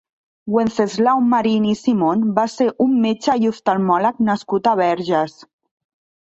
Wenceslao Marin i Simón va ser un metge i oftalmòleg nascut a Verges.